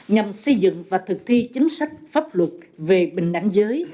nhằm xây dựng và thực thi chính sách pháp luật về bình đẳng giới